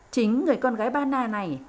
chính người con gái ba na này